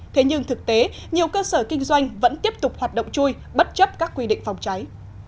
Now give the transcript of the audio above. thế nhưng thực tế nhiều cơ sở kinh doanh vẫn tiếp tục hoạt động chui bất chấp các quy định phòng cháy